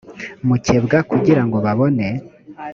mukebwa kugira ngo babone